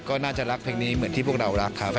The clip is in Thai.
ก็น่าจะรักเพลงนี้เหมือนที่พวกเรารักครับ